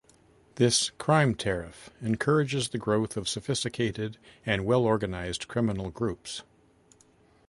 This "crime tariff" encourages the growth of sophisticated and well-organized criminal groups.